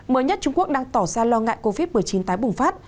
mới nhất trung quốc đang tỏ ra lo ngại covid một mươi chín tái bùng phát